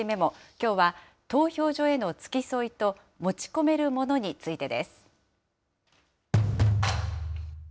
きょうは投票所への付き添いと、持ち込めるものについてです。